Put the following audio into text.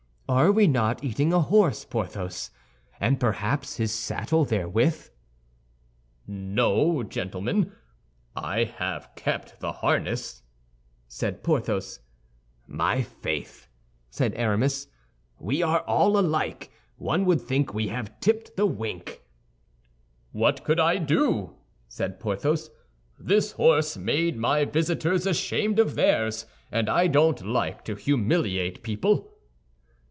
Are we not eating a horse, Porthos? And perhaps his saddle, therewith." "No, gentlemen, I have kept the harness," said Porthos. "My faith," said Aramis, "we are all alike. One would think we had tipped the wink." "What could I do?" said Porthos. "This horse made my visitors ashamed of theirs, and I don't like to humiliate people."